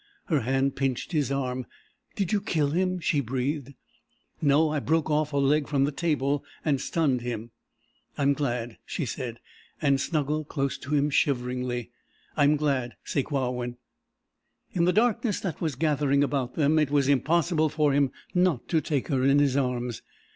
Her hand pinched his arm. "Did you kill him?" she breathed. "No. I broke off a leg from the table and stunned him." "I'm glad," she said, and snuggled close to him shiveringly. "I'm glad, Sakewawin." In the darkness that was gathering about them it was impossible for him not to take her in his arms.